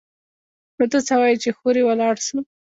نو ته څه وايي چې هورې ولاړ سو.